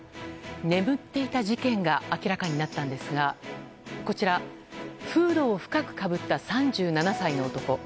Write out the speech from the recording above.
眠っていた事件が明らかになったんですがこちら、フードを深くかぶった３７歳の男。